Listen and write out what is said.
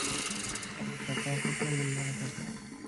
پانجي ثقافت نه بُلجڙ کپا